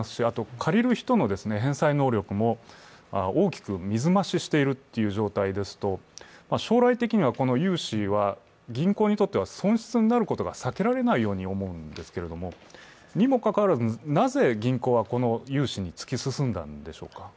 借りる人の返済能力も大きく水増ししているという状態ですと、将来的には、この融資は銀行にとっては損失になることが避けられないように思うんですけれども、にもかかわらず、なぜ銀行はこの融資に突き進んだんでしょうか。